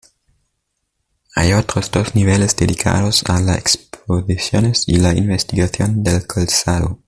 Hay otros dos niveles dedicados a las exposiciones y la investigación del calzado.